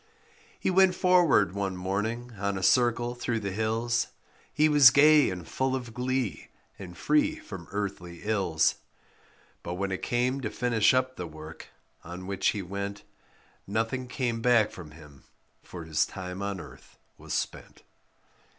He went forward one morning on a circle through the hills, He was gay and full of glee, and free from earthly ills; But when it came to finish up the work on which he went, Nothing came back from him; for his time on earth was spent.